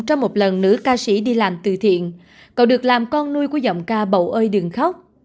trong một lần nữ ca sĩ đi làm từ thiện cậu được làm con nuôi của giọng ca bậu ơi đừng khóc